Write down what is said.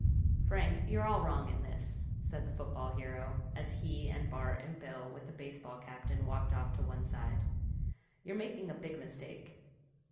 "Frank, you're all wrong in this," said the football hero, as he and Bart and Bill, with the baseball captain walked off to one side. "You're making a big mistake!"